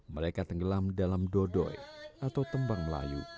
mereka tenggelam dalam dodoi atau tembang melayu